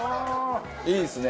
いいですね。